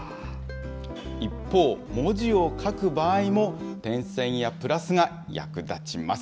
一方、文字を書く場合も点線やプラスが役立ちます。